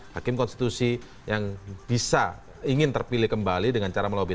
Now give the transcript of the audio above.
hakim konstitusi yang bisa ingin terpilih kembali dengan cara melobby